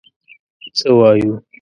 څه وایو.